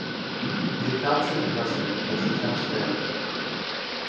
They captured the president but the attempt failed.